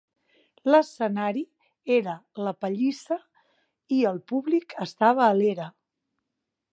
L'escenari era la pallissa i el públic estava a l'era.